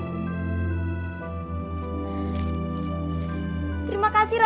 terima kasih raja